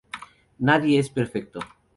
Nadie es perfecto".